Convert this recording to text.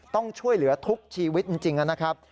ต้องช่วยเหลือทุกชีวิตจริงนะครับ